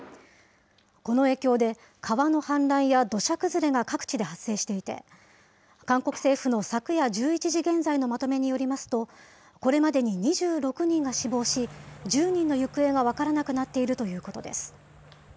この影響で川の氾濫や土砂崩れが各地で発生していて、韓国政府の昨夜１１時現在のまとめによりますと、これまでに２６人が死亡し、１０人の行方が分からなくなっているということです。